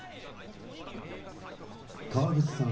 川口さん